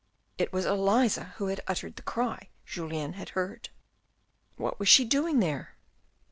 It was Elisa who had uttered the cry Julien had heard. " What was she doing there